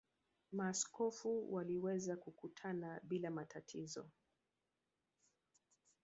Maaskofu waliweza kukutana bila matatizo.